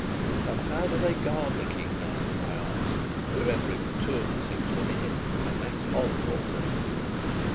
"And how do they guard the King now?" I asked, remembering that two of the Six were dead, and Max Holf also.